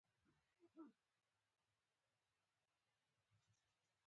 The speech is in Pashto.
د مفسدانو استخباراتي خدمات په پیسو اخلي.